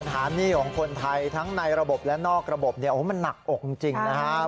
หนี้ของคนไทยทั้งในระบบและนอกระบบมันหนักอกจริงนะครับ